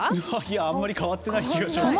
あまり変わっていない気がします。